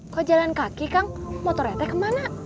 kok jalan kaki kang motor etek kemana